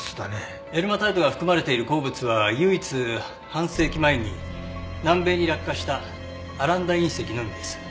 エルマタイトが含まれている鉱物は唯一半世紀前に南米に落下したアランダ隕石のみです。